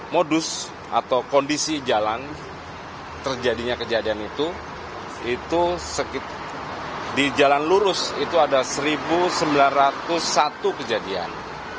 modus atau kondisi jalan terjadinya kejadian itu itu di jalan lurus itu ada satu sembilan ratus satu kejadian